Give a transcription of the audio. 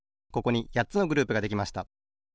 ここにやっつのグループができました。